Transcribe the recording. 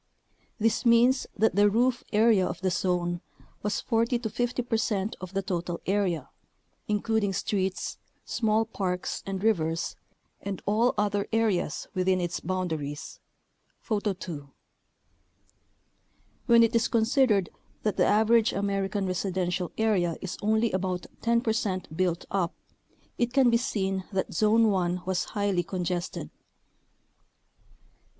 This means that the roof area of the zone was 40 to 50 percent of the total area, including streets, small parks and rivers, and all other areas within its boun daries (Photo 2). When it is considered that the average American residential area is only about 10 percent built up, it can be seen that Zone 1 was highly congested.